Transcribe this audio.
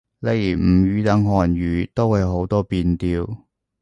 例如吳語等漢語，都係好多變調